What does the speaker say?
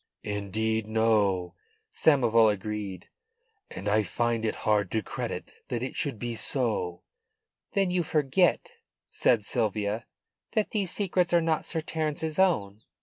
"Indeed no," Samoval agreed. "And I find it hard to credit that it should be so." "Then you forget," said Sylvia, "that these secrets are not Sir Terence's own.